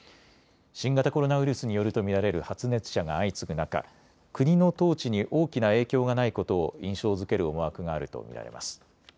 新型コロナウイルスによると見られる発熱者が相次ぐ中、国の統治に大きな影響がないことを印象づける思惑があると見られます。